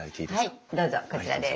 はいどうぞこちらです。